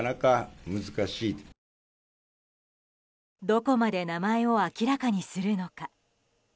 どこまで名前を明らかにするのか。